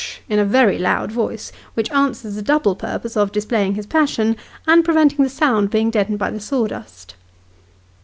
" in a very loud voice, which answers the double purpose of displaying his passion, and preventing the sound being deadened by the sawdust.